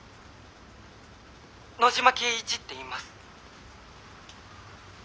野嶋恵一っていいます。